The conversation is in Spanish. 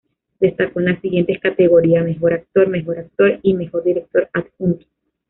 Destacó en las siguientes categorías: mejor actor, mejor actor y mejor director adjunto.